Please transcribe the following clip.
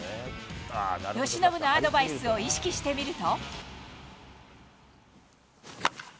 由伸のアドバイスを意識してみると。